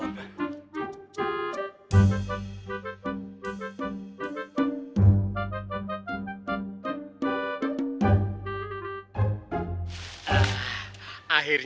tidak ada yang bisa dikira